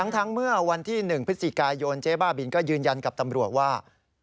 ทั้งเมื่อวันที่๑พฤศจิกายนเจ๊บ้าบินก็ยืนยันกับตำรวจว่า